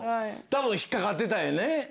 多分引っ掛かってたんやね